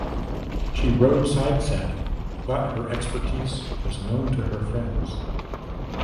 She rode side saddle but her expertise was known to her friends.